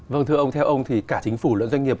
vâng thưa ông theo ông thì cả chính phủ lẫn doanh nghiệp